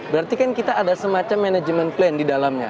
berarti kan kita ada semacam manajemen plan di dalamnya